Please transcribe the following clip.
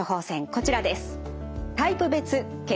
こちらです。